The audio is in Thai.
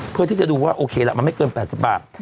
เพื่อที่จะดูว่าโอเคละมันไม่เกิน๘๐บาท